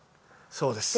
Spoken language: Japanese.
そうです。